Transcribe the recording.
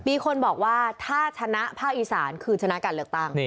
มีคนบอกว่าถ้าชนะภาคอีสานคือชนะการเลือกตั้ง